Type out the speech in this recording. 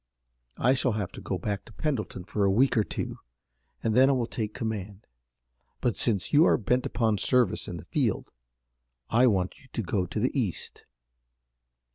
I shall have to go back to Pendleton for a week or two and then I will take a command. But since you are bent upon service in the field, I want you to go to the East."